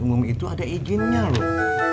umum itu ada izinnya loh